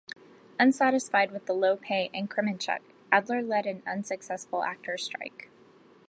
Unsatisfied with the low pay, in Kremenchuk Adler led an unsuccessful actors' strike.